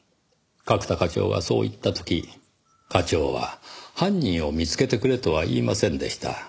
角田課長はそう言った時課長は「犯人を見つけてくれ」とは言いませんでした。